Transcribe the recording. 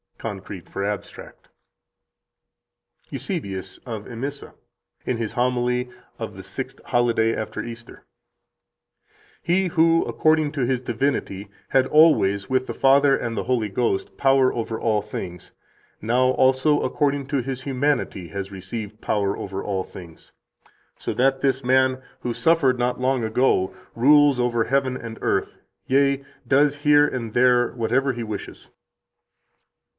(Concrete for abstract.) 78 EUSEBIUS OF EMISSA, in his homily of the Sixth Holiday after Easter (Feria 6, paschatos in homiliis 5, patrum, p. 297): "He who, according to His divinity, had always, with the Father and the Holy Ghost, power over all things, now also according to His humanity has received power over all things, so that this man who suffered not long ago rules over heaven and earth, yea, does here and there whatever He wishes."